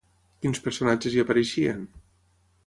Quins personatges hi apareixien?